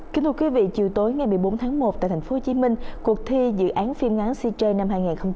kính thưa quý vị chiều tối ngày một mươi bốn tháng một tại tp hcm cuộc thi dự án phim ngắn cj năm hai nghìn hai mươi